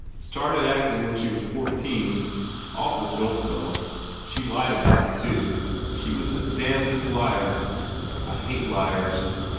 Started acting when she was fourteen. Awful jolt, though. She lied about it, too. She was the damnedest liar! I hate liars.